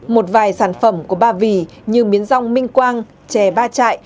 một vài sản phẩm của ba vì như miến rong minh quang chè ba trại